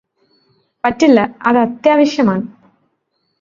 പറ്റില്ല അതത്യാവശ്യമാണ്